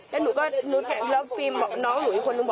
แล้วหนูก็พิมพ์บอกน้องหนู